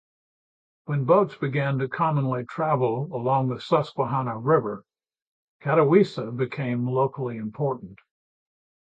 When boats began to commonly travel along the Susquehanna River, Catawissa became locally important.